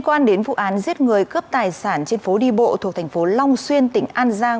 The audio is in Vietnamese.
quan đến vụ án giết người cướp tài sản trên phố đi bộ thuộc thành phố long xuyên tỉnh an giang